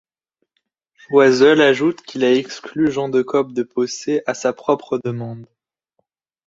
Choiseul ajoute qu'il a exclu Jean de Cop de Pocé à sa propre demande.